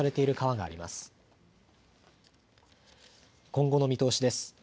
今後の見通しです。